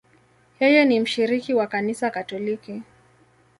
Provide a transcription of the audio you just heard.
Yeye ni mshiriki wa Kanisa Katoliki.